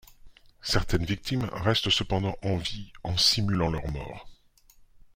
Certaines victimes restent cependant en vie en simulant leur mort.